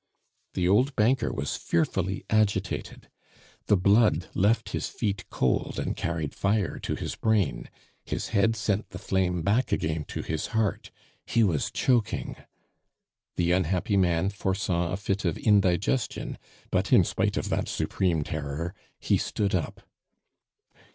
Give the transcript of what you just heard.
The old banker was fearfully agitated; the blood left his feet cold and carried fire to his brain, his head sent the flame back to his heart; he was chocking. The unhappy man foresaw a fit of indigestion, but in spite of that supreme terror he stood up.